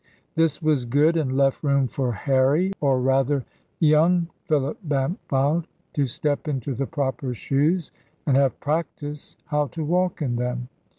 This was good, and left room for Harry, or rather young Philip Bampfylde, to step into the proper shoes, and have practice how to walk in them.